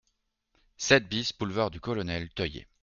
sept BIS boulevard du Colonel Teulié